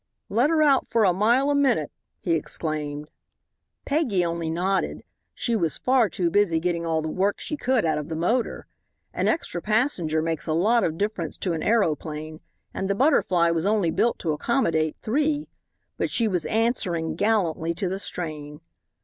"Let her out for a mile a minute," he exclaimed. Peggy only nodded. She was far too busy getting all the work she could out of the motor. An extra passenger makes a lot of difference to an aeroplane, and the Butterfly was only built to accommodate three. But she was answering gallantly to the strain.